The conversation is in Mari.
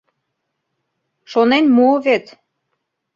Шонен муо вет!